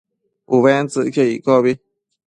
Ubentsëcquio iccobi